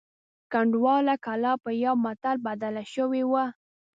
کنډواله کلا په یوه متل بدله شوې وه.